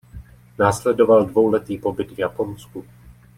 Následoval dvouletý pobyt v Japonsku.